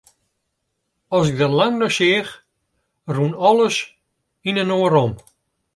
As ik der lang nei seach, rûn alles yninoar om.